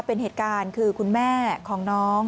เป็นเหตุการณ์คือคุณแม่ของน้อง